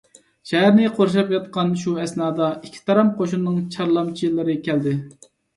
شەھەرنى قورشاپ ياتقان شۇ ئەسنادا ئىككى تارام قوشۇننىڭ چارلامچىلىرى كەلدى.